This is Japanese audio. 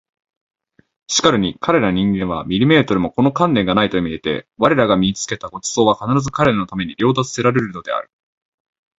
しかるに彼等人間は毫もこの観念がないと見えて我等が見付けた御馳走は必ず彼等のために掠奪せらるるのである